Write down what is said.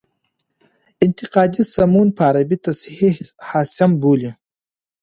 انتقادي سمون په عربي تصحیح حاسم بولي.